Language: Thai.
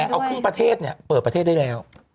เอาครึ่งประเทศเปิดประเทศได้แล้ว